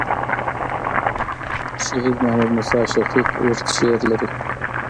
شهید محمد موسي شفیق اوږد شعر لري.